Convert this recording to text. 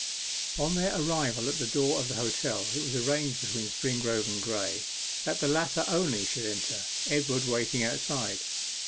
On their arrival at the door of the hotel, it was arranged between Springrove and Graye that the latter only should enter, Edward waiting outside.